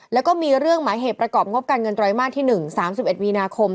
แล้วก็มีเรื่องหมายเหตุประกอบงบการเงินไตรมาสที่๑๓๑มีนาคม